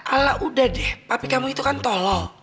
ala udah deh papi kamu itu kan tolong